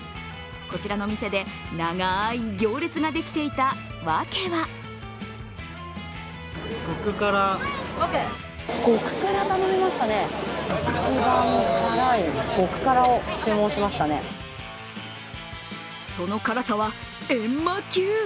こちらの店で長い行列ができていた訳はその辛さはえんま級。